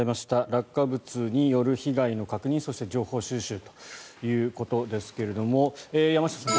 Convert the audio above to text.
落下物による被害の確認そして情報収集ということですが山下さん